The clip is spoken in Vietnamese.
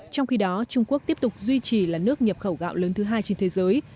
trong khi đó trung quốc tiếp tục duy trì là nước nhập khẩu gạo lớn thứ hai trên thế giới